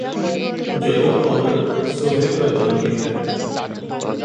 ਜਦੋ ਔਰਤ ਸੋਹੁਰੇ ਘਰ ਜਾਂਦੀ ਹੈ